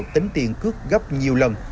tính tiền cước gấp nhiều lần